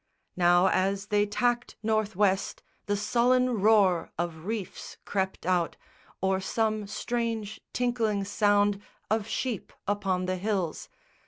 Now, as they tacked North west, the sullen roar Of reefs crept out, or some strange tinkling sound Of sheep upon the hills.